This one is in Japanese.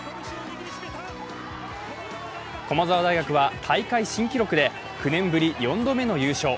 駒澤大学は大会新記録で９年ぶり４度目の優勝。